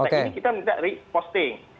nah ini kita minta re posting